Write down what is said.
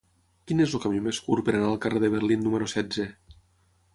Quin és el camí més curt per anar al carrer de Berlín número setze?